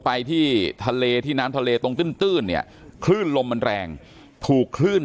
ไปที่ทะเลที่น้ำทะเลตรงตื้นเนี่ยคลื่นลมมันแรงถูกคลื่น